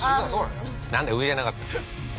何だ上じゃなかった。